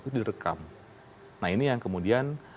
itu direkam nah ini yang kemudian